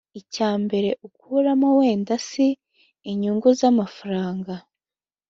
Icya mbere ukuramo wenda si inyungu z'amafaranga